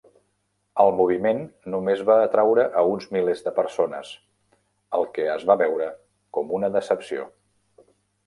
El moviment només va atraure a uns milers de persones, el que es va veure com una decepció.